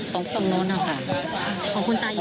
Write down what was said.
ของใคร